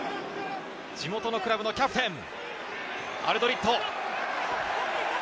地元のクラブのキャプテン、アルドリット。